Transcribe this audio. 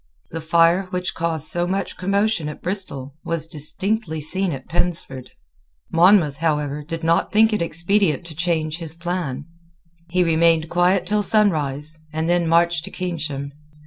The fire, which caused so much commotion at Bristol, was distinctly seen at Pensford. Monmouth, however, did not think it expedient to change his plan. He remained quiet till sunrise, and then marched to Keynsham.